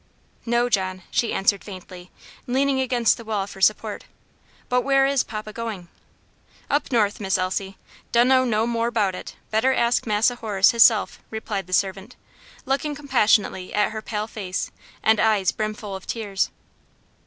"No, John," she answered faintly, leaning against the wall for support; "but where is papa going?" "Up North, Miss Elsie; dunno no more 'bout it; better ask Massa Horace hisself," replied the servant, looking compassionately at her pale face, and eyes brimful of tears.